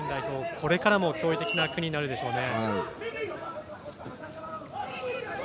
これからも驚異的な国になるでしょうね。